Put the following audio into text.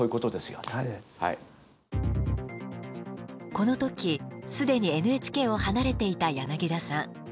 この時既にＮＨＫを離れていた柳田さん。